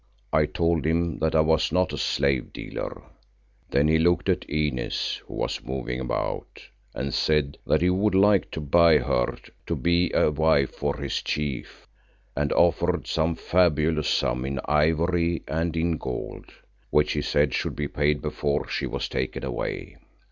I told him that I was not a slave dealer. Then he looked at Inez, who was moving about, and said that he would like to buy her to be a wife for his Chief, and offered some fabulous sum in ivory and in gold, which he said should be paid before she was taken away.